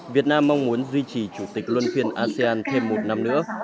việt nam mong muốn duy trì chủ tịch luân phiên asean thêm một năm nữa